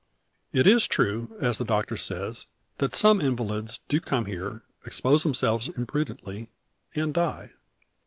It is true, as the doctor says, that some invalids do come here, expose themselves imprudently, and die.